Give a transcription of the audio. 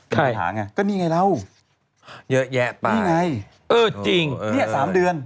ใช่ก็นี่ไงเราเยอะแยะไปนี่ไงเออจริงนี่แหละสามเดือน